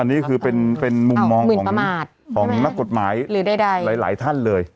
อันนี้คือเป็นมุมมองของนักกฎหมายหลายท่านเลย